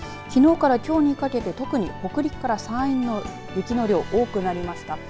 きのうからきょうにかけて特に北陸から山陰の雪の量多くなりました。